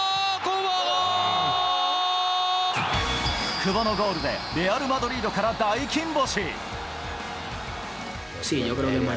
久保のゴールで、レアル・マドリードから大金星。